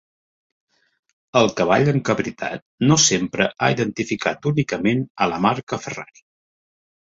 El cavall encabritat no sempre ha identificat únicament a la marca Ferrari.